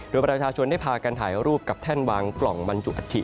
โดยประชาชนได้พากันถ่ายรูปกับแท่นวางกล่องบรรจุอัฐิ